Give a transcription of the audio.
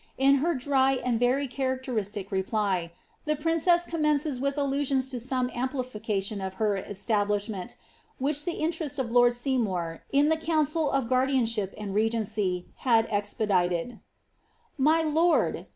In her dr}' and very characteristic reply, the princess commences with allusions to some amplification of her es^tablishment, which the interest of lord Seymoor, in the council of guardianship and regency, had expedited :—'• My lonl.